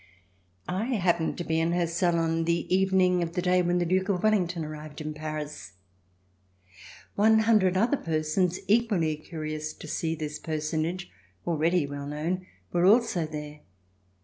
I happened to be in her salon the evening of the day when the Duke of Wellington arrived at Paris. One hundred other persons, equally curious to see this personage, already well known, were also there.